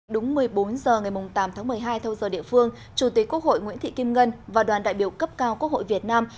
đúng một mươi bốn h ngày tám tháng một mươi hai theo giờ địa phương chủ tịch quốc hội nguyễn thị kim ngân và đoàn đại biểu cấp cao quốc hội việt nam